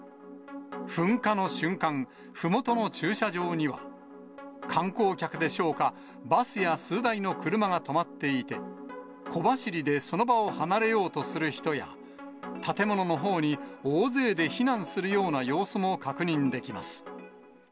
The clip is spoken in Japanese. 噴火の瞬間、ふもとの駐車場には、観光客でしょうか、バスや数台の車が止まっていて、小走りでその場を離れようとする人や、建物のほうに大勢で避難するような様子も確認できます。